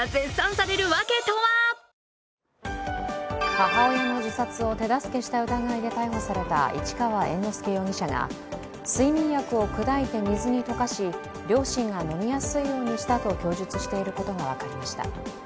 母親の自殺を手助けした疑いで逮捕された市川猿之助容疑者が睡眠薬を砕いて水に溶かし、両親が飲みやすいようにしたと供述していることが分かりました。